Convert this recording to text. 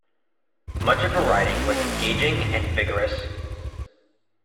Much of her writing was engaging and vigorous.